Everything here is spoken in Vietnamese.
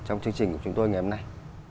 trong chương trình của chúng tôi ngày hôm nay